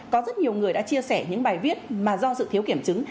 có rất nhiều người đã chia sẻ những bài viết mà do sự thiếu kiểm chứng